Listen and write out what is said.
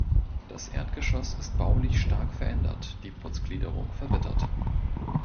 Das Erdgeschoss ist baulich stark verändert, die Putzgliederung verwittert.